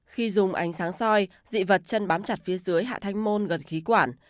khi dùng ánh sáng soi dị vật chân bám chặt phía dưới hạ thanh môn gần khí quản